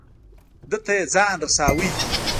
ده ته یې ځان رساو.